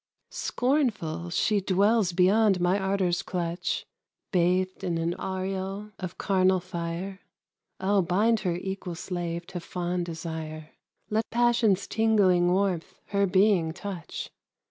Scornful she dwells beyond my ardor's clutch, Bathed in an aureole of carnal fire; O bind her equal slave to fond desire, Let passion's tingling warmth her being touch!